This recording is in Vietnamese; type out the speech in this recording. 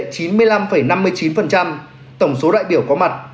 chiến tỉ lệ chín mươi năm năm mươi chín tổng số đại biểu có mặt